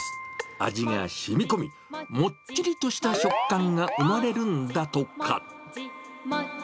味がしみこみ、もっちりとした食感が生まれるんだとか。